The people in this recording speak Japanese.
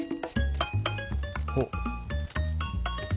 おっ。